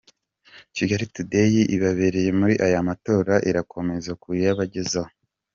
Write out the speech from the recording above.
Kigali Today ibabereye muri aya matora irakomeza kuyabagezaho.